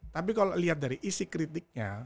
tapi kalau lihat dari isi kritiknya